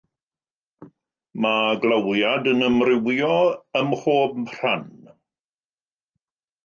Mae glawiad yn amrywio o ym mhob rhan.